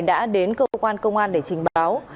đã đến cơ quan công an để trình báo